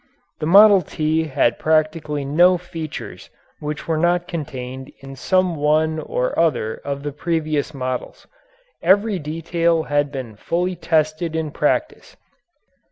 The "Model T" had practically no features which were not contained in some one or other of the previous models. Every detail had been fully tested in practice.